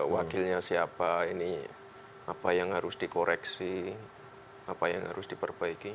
wakilnya siapa ini apa yang harus dikoreksi apa yang harus diperbaiki